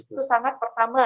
itu sangat pertama